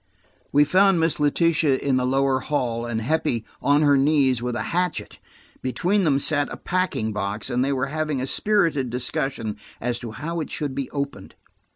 We found Miss Letitia in the lower hall, and Heppie on her knees with a hatchet. Between them sat a packing box, and they were having a spirited discussion as to how it should be opened.